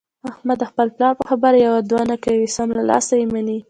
احمد د خپل پلار په خبره کې یوه دوه نه کوي، سمدلاسه یې مني.